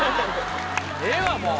ええわもう！